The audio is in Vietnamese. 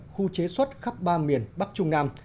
khu chế xuất khắp ba miền bắc trung nam